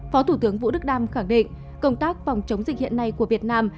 phó thủ tướng vũ đức đam khẳng định công tác phòng chống dịch hiện nay của việt nam